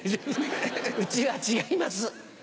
うちは違います！